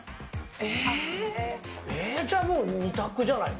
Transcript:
えー、じゃあもう、２択じゃないの？